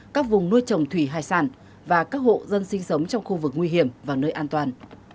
các vùng nuôi trồng thủy hải sản và các hộ dân sinh sống trong khu vực nguy hiểm vào nơi an toàn